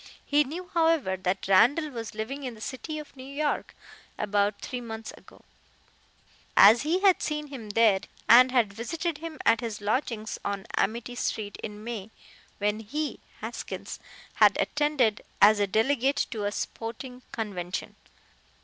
He knew, however, that Randall was living in the city of New York about three months ago, as he had seen him there, and had visited him at his lodgings on Amity street in May, when he (Haskins) had attended as a delegate to a sporting convention.